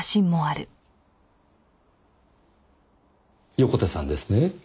横手さんですね。